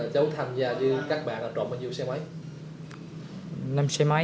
cháu tham gia với các bạn là trộm bao nhiêu xe máy